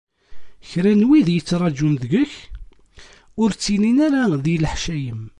Kra n wid yettraǧun deg-k, ur ttilin ara di leḥcayem.